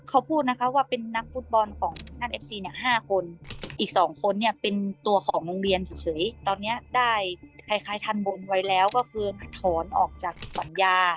เขาพูดนะคะว่าเป็นนักฟุตบอลของท่านเอฟซีเนี่ย๕คนอีกสองคนเนี่ยเป็นตัวของโรงเรียนเฉยตอนนี้ได้คล้ายทันบนไว้แล้วก็คือถอนออกจากสัญญา